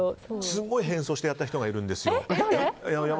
すごい変装してやった人がいるんですよ。